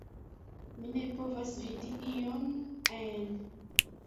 Mi ne povas vidi ion ajn